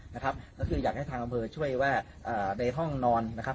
นะครับก็คืออยากให้ทางอำเภอช่วยว่าในห้องนอนนะครับ